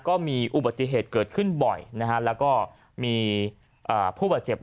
ก็มีอุบัติเหตุเกิดขึ้นบ่อยนะฮะแล้วก็มีผู้บาดเจ็บ